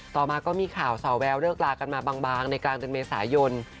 ต่อมาก็มีข่าวสาวแววเลิกลากันมาบางในกลางเดือนเมษายน